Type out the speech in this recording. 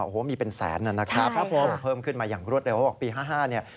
โอ้โฮมีเป็นแสนนะครับครับครับผมพอเพิ่มขึ้นมาอย่างรวดเร็วบอกว่าปี๕๕เนี่ย